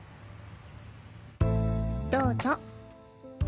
どうぞ。